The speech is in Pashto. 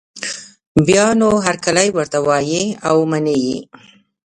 بیا نو هرکلی ورته وايي او مني یې